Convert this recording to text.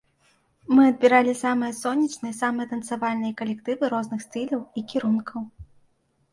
Мы адбіралі самыя сонечныя, самыя танцавальныя калектывы розных стыляў і кірункаў.